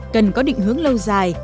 cần có định hướng lâu dài